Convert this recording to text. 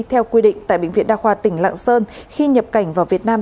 theo quy định tại bệnh viện đa khoa tỉnh lạng sơn khi nhập cảnh vào việt nam